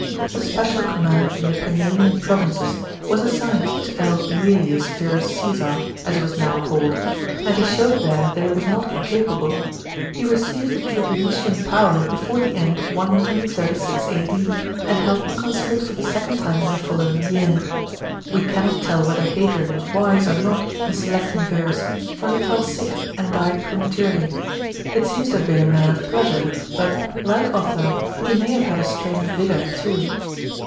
A special command in the Pannonian provinces was assigned to L. ./Elius Verus Caesar, as he was now called, and he showed there that he was not incapable. He received the tribunician power before the end of 136 A.D., and held the consulate for the second time in the following year. We cannot tell whether Hadrian was wise or not in selecting Verus, for he fell sick and died prematurely. He seems to have been a man of pleasure, but, like Otho, he may have had a strain of vigour too.